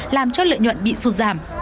làm cho lợi nhuận bị sụt giảm